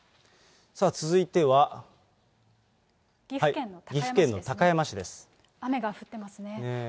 続いては、雨が降ってますね。